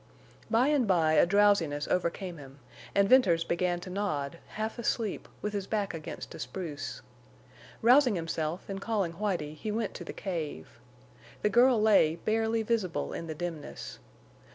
By and by a drowsiness overcame him, and Venters began to nod, half asleep, with his back against a spruce. Rousing himself and calling Whitie, he went to the cave. The girl lay barely visible in the dimness.